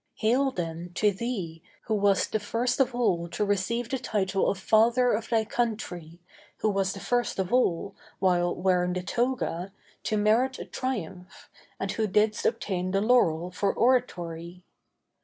Hail, then, to thee, who wast the first of all to receive the title of Father of thy country, who wast the first of all, while wearing the toga, to merit a triumph, and who didst obtain the laurel for oratory.